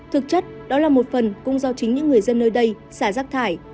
thực chất đó là một phần cũng do chính những người dân nơi đây xả rác thải